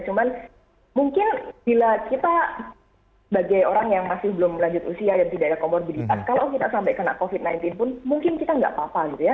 cuman mungkin bila kita sebagai orang yang masih belum lanjut usia dan tidak ada comorbiditas kalau kita sampai kena covid sembilan belas pun mungkin kita nggak apa apa gitu ya